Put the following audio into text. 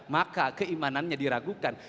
maka keimanannya diragukan